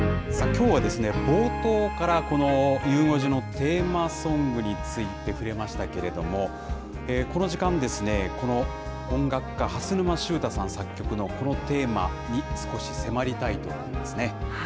きょうはですね、冒頭からこのゆう５時のテーマソングについて触れましたけれども、この時間、この音楽家、蓮沼執太さん作曲のこのテーマに、少し迫りたいと思いますね。